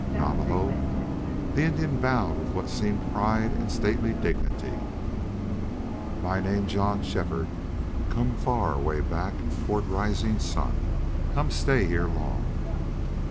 "Navajo?" The Indian bowed with what seemed pride and stately dignity. "My name John Shefford. Come far way back toward rising sun. Come stay here long."